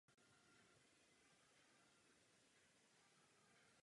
To je také poslední zmínka o pivovaru.